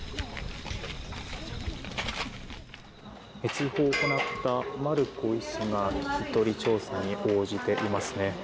通報を行った丸子医師が聞き取り調査に応じていますね。